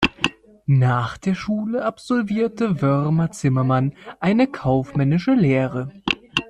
Nach der Schule absolvierte Wörmer-Zimmermann eine kaufmännische Lehre.